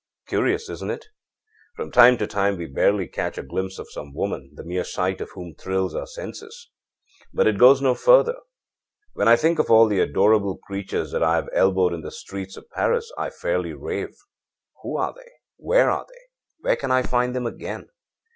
Curious, isn't it? From time to time we barely catch a glimpse of some woman, the mere sight of whom thrills our senses. But it goes no further. When I think of all the adorable creatures that I have elbowed in the streets of Paris, I fairly rave. Who are they! Where are they? Where can I find them again?